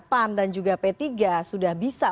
pan dan juga p tiga sudah bisa